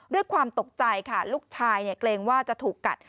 ด้วยความตกใจค่ะลูกชายเกรงว่าจะถูกกัด